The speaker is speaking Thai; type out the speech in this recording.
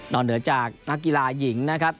เหนือจากนักกีฬาหญิงนะครับ